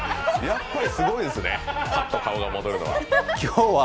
やっぱりすごいですね、サッと顔が戻るのは。